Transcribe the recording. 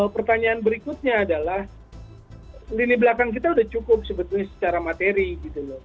pertanyaan berikutnya adalah lini belakang kita sudah cukup sebetulnya secara materi gitu loh